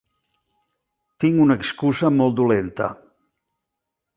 Tinc una excusa molt dolenta.